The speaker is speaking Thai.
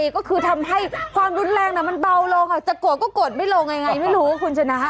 ก็คือทำให้ความรุนแรงมันเบาลงจะโกรธก็โกรธไม่ลงยังไงไม่รู้คุณชนะ